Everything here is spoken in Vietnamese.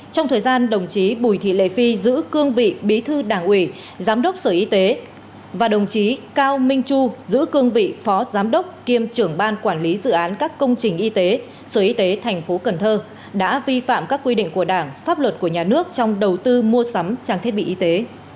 trong thời gian đồng chí bùi thị lệ phi giữ cương vị bí thư đảng ủy giám đốc sở y tế và đồng chí cao minh chu giữ cương vị phó giám đốc kiêm trưởng ban quản lý dự án các công trình y tế sở y tế tp cần thơ đã vi phạm các quy định của đảng pháp luật của nhà nước trong đầu tư mua sắm trang thiết bị y tế